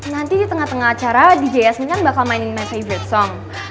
nanti di tengah tengah acara di djs predited akan mainin lagu lagu terccavah gue